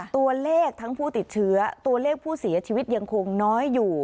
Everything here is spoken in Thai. ตัวเลขทั้งผู้ติดเชื้อตัวเลขผู้เสียชีวิตยังคงน้อยอยู่